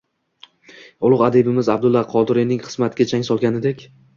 ulug’ adibimiz Abdulla Qodiriyning qismatiga chang solganidek